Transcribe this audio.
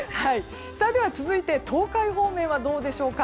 では続いて東海方面はどうでしょうか。